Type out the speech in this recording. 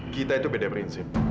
kita itu beda prinsip